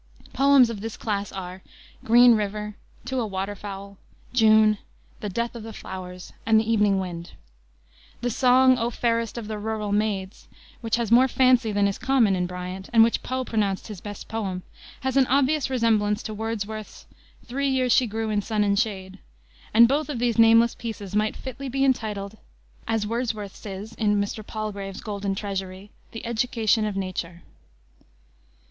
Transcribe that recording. Poems of this class are Green River, To a Waterfowl, June, the Death of the Flowers, and the Evening Wind. The song, "O fairest of the Rural Maids," which has more fancy than is common in Bryant, and which Poe pronounced his best poem, has an obvious resemblance to Wordsworth's "Three years she grew in sun and shade," and both of these nameless pieces might fitly be entitled as Wordsworth's is in Mr. Palgrave's Golden Treasury "The Education of Nature."